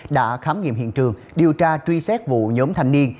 đã khám nghiệm hiện trường điều tra truy xét vụ nhóm thanh niên